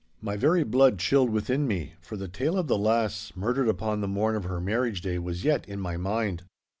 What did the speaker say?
My very blood chilled within me, for the tale of the lass murdered upon the morn of her marriage day was yet in my mind.